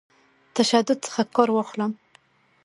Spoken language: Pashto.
تشدد څخه کار واخلم.